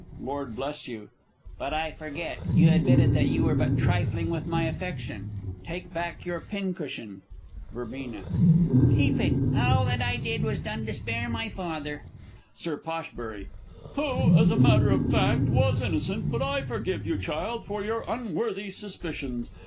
Lord Bl. But I forget you admitted that you were but trifling with my affection take back your pin cushion! Verb. Keep it. All that I did was done to spare my father! Sir Posh. Who, as a matter of fact, was innocent but I forgive you, child, for your unworthy suspicions.